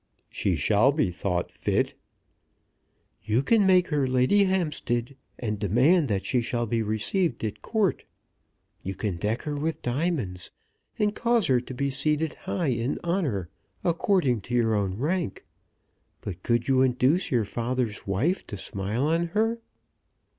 "She shall be thought fit." "You can make her Lady Hampstead, and demand that she shall be received at Court. You can deck her with diamonds, and cause her to be seated high in honour according to your own rank. But could you induce your father's wife to smile on her?"